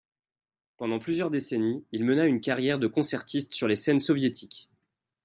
Pendant plusieurs décennies, il mena une carrière de concertiste sur les scènes soviétiques.